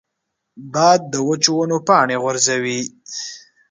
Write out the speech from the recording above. باد د وچو ونو پاڼې غورځوي